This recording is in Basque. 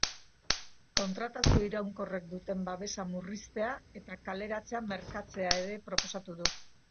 Kontratazio iraunkorrek duten babesa murriztea eta kaleratzea merkatzea ere proposatu du.